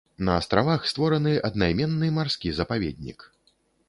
На астравах створаны аднайменны марскі запаведнік.